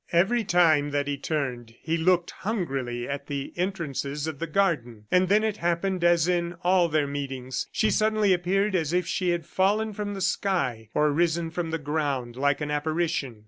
Every time that he turned, he looked hungrily at the entrances of the garden. And then it happened as in all their meetings. She suddenly appeared as if she had fallen from the sky or risen up from the ground, like an apparition.